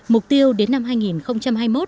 mục tiêu đến năm hai nghìn hai mươi một